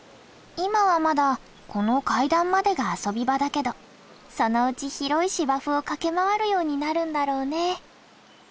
今はまだこの階段までが遊び場だけどそのうち広い芝生を駆け回るようになるんだろうね。